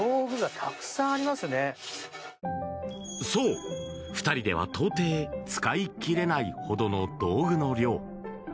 そう、２人では到底使いきれないほどの道具の量。